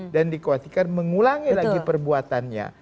dan dikhawatirkan mengulangi lagi perbuatannya